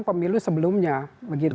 pemilu sebelumnya begitu